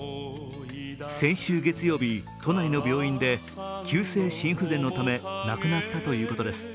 先週月曜日、都内の病院で急性心不全のため亡くなったということです。